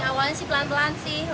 awalnya pelan pelan sih